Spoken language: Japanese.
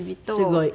すごい。